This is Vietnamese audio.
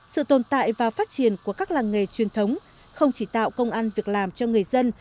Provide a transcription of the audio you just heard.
sự tồn tại và phát triển của các làng nghề truyền thống không chỉ tạo công an việc làm cho người dân